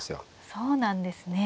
そうなんですね。